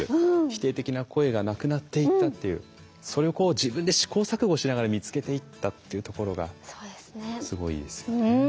否定的な声がなくなっていったっていうそれをこう自分で試行錯誤しながら見つけていったっていうところがすごいいいですよね。